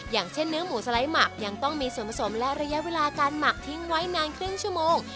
อย่างเช่นเนื้อหมูสไลด์หมักยังต้องมีส่วนผสมและระยะเวลาการหมักทิ้งไว้นานครึ่งชั่วโมง